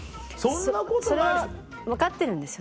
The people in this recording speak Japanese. それは分かってるんですよ